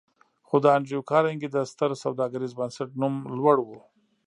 خو د انډريو کارنګي د ستر سوداګريز بنسټ نوم لوړ و.